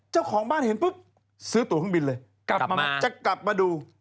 เจ้าของบ้านเห็นปุ๊บซื้อตัวเครื่องบินเลยกลับมาจะกลับมาดู